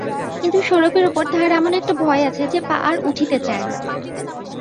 কিন্তু স্বরূপের উপর তাহার এমন একটা ভয় আছে যে পা আর উঠিতে চায় না।